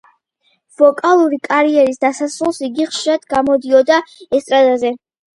ვოკალური კარიერის დასარულს იგი ხშირად გამოდიოდა ესტრადაზე.